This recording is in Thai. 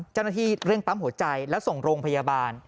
เจ้าหน้าที่เร่งปั๊มหัวใจแล้วส่งโรงพยาบาล